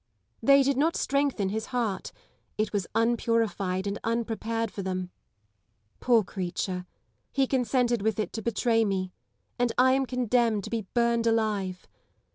They did not strengthen his heart : it was unpurified and unprepared for them. Poor creature ! he consented with it to betray me : and I am condemned to be burned alive.